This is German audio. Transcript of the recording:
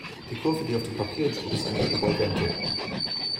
Die Kurve, die auf dem Papier entsteht, ist eine Evolvente.